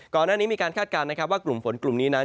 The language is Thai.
ก่อนหน้านี้มีการคาดการณ์นะครับว่ากลุ่มฝนกลุ่มนี้นั้น